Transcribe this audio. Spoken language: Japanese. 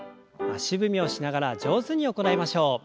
足踏みをしながら上手に行いましょう。